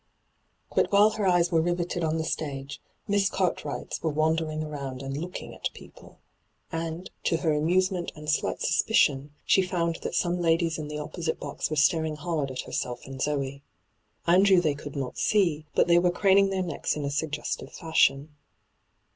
But while her eyes were riveted on the stage, Miss Cartwright's were wandering around and ' looking at people.' And, to her amusement and slight suspicion, she found that some ladies in the opposite bos were staring hard at herself and Zoe. Andrew they could not see, but they were craning their necks in a suggestive fashion.